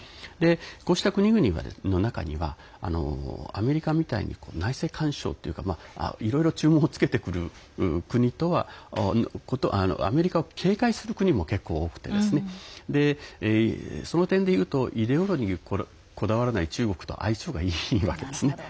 こうした国々の中にはアメリカみたいに内政干渉というかいろいろ注文つけてくる国とはアメリカを警戒する国は結構、多くてその点でいうとイデオロギーにこだわらない中国と相性がいいわけですね。